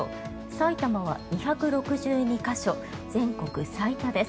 埼玉は２６２か所全国最多です。